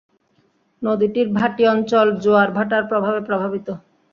নদীটির ভাটি অঞ্চল জোয়ার ভাটার প্রভাবে প্রভাবিত।